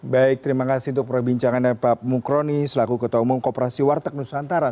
baik terima kasih untuk perbincangannya pak mukroni selaku ketua umum kooperasi warteg nusantara